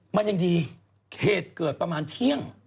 มันยังดีเหตุเกิดประมาณเที่ยง